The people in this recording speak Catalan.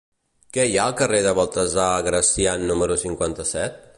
Què hi ha al carrer de Baltasar Gracián número cinquanta-set?